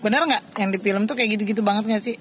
benar nggak yang di film tuh kayak gitu gitu banget gak sih